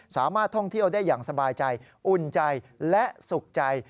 สามารถท่องเที่ยวได้อย่างสบายใจอุ่นใจและสุขใจ